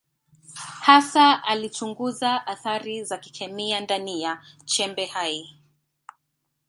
Hasa alichunguza athari za kikemia ndani ya chembe hai.